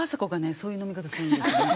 そういう飲み方するんですよね。